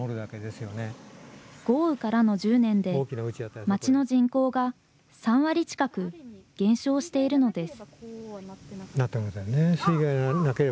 豪雨からの１０年で、町の人口が３割近く減少しているのです。